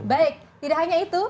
baik tidak hanya itu